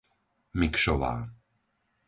Mikšová